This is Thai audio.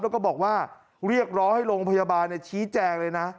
แล้วก็บอกว่าเรียกร้องให้โรงพยาบาลชี้แจงเลยนะ